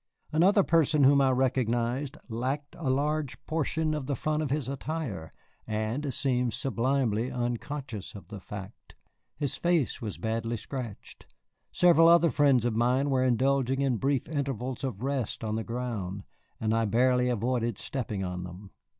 Another person whom I recognized lacked a large portion of the front of his attire, and seemed sublimely unconscious of the fact. His face was badly scratched. Several other friends of mine were indulging in brief intervals of rest on the ground, and I barely avoided stepping on them.